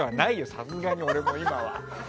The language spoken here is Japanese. さすがに俺は今は。